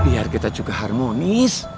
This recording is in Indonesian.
biar kita juga harmonis